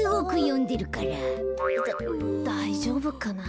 だだいじょうぶかな？